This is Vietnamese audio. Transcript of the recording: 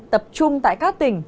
tập trung tại các tỉnh